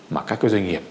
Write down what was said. mà các doanh nghiệp